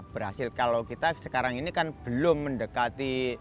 berhasil kalau kita sekarang ini kan belum mendekati